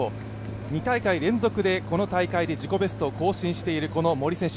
２大会連続で、この大会で自己ベストを更新している森選手。